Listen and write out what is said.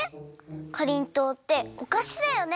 かりんとうっておかしだよね？